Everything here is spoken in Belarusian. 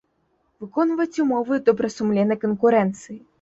Выконваць умовы добрасумленнай канкурэнцыi.